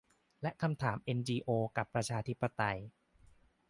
และคำถามเอ็นจีโอกับประชาธิปไตย